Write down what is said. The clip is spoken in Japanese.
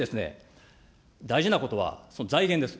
大事なことは、財源です。